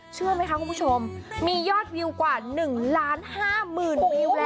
เชื่อไหมคะคุณผู้ชมมียอดวิวกว่า๑๕๐๐๐วิวแล้ว